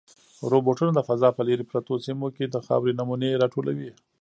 روبوټونه د فضا په لیرې پرتو سیمو کې د خاورې نمونې راټولوي.